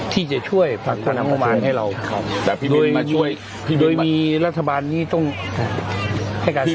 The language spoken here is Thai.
ที่จะช่วยฝั่งตอนนี้มาให้เราโดยมีรัฐบาลนี้ต้องให้การสาว